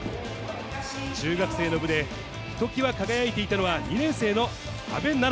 中学生の部で、ひときわ輝いていたのは、２年生の阿部なな。